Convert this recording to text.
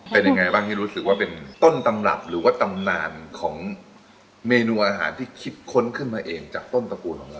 เป็นยังไงบ้างที่รู้สึกว่าเป็นต้นตำรับหรือว่าตำนานของเมนูอาหารที่คิดค้นขึ้นมาเองจากต้นตระกูลของเรา